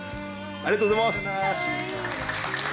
ありがとうございます！